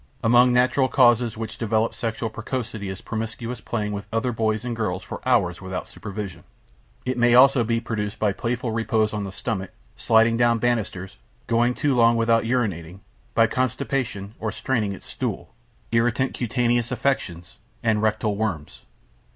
Among natural causes which develop sex precocity is promiscuous playing with other boys and girls for hours without supervision. It may also be produced by playful repose on the stomach, sliding down banisters, going too long without urinating, by constipation or straining at stool, irritant cutaneous affections, and rectal worms.